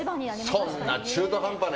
そんな中途半端な。